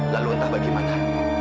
lalu entah bagaimana